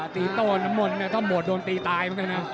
ตีโต้น้ำมนต้องโหมดโดนตีตาย